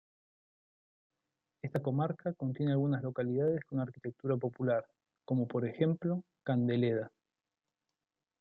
Esta comarca contiene algunas localidades con arquitectura popular, como por ejemplo, Candeleda.